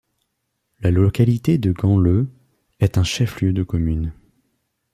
La localité de Ganleu est un chef-lieu de commune.